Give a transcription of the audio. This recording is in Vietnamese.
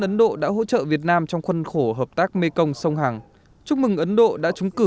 ấn độ đã hỗ trợ việt nam trong khuân khổ hợp tác mê công sông hằng chúc mừng ấn độ đã trúng cử